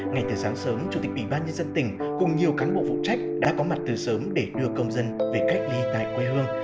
ngay từ sáng sớm chủ tịch ủy ban nhân dân tỉnh cùng nhiều cán bộ phụ trách đã có mặt từ sớm để đưa công dân về cách ly tại quê hương